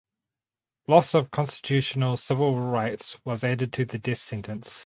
Loss of constitutional civil rights was added to the death sentence.